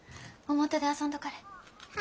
表で遊んどかれえ。